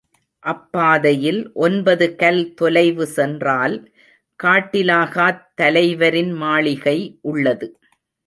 அப்பாதையில் ஒன்பது கல் தொலைவு சென்றால் காட்டிலாகாத் தலைவரின் மாளிகை உள்ளது.